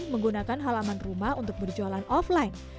menggunakan halaman rumah untuk berjualan offline